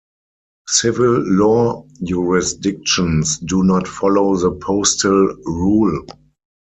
Civil law jurisdictions do not follow the postal rule.